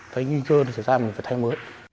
thấy nguy cơ nó xảy ra mình phải thay mới